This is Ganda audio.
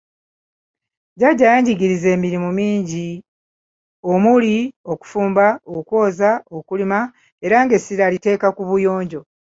Jjajja yanjigiriza emirimu mingi omuli; okufumba, okwoza, okulima era ng'essira aliteeka ku buyonjo.